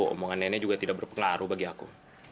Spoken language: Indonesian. omongan nenek juga tidak berpengaruh bagi aku